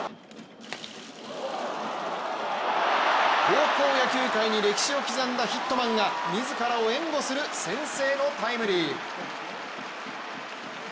高校野球界に歴史を刻んだヒットマンが自らを援護する先制のタイムリー。